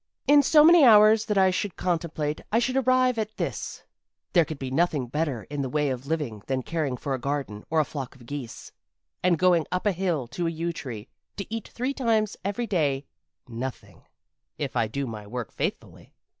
In the so many hours that I should contemplate I should arrive at this: there can be nothing better in the way of living than caring for a garden or a flock of geese, and going up a hill to a yew tree to eat three times every day nothing, if I do my work faithfully.